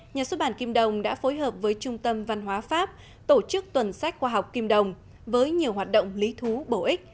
nhà xuất bản kim đồng đã phối hợp với trung tâm văn hóa pháp tổ chức tuần sách khoa học kim đồng với nhiều hoạt động lý thú bổ ích